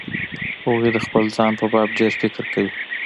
هغوی د خپل ځان په باب ډېر فکر کوي.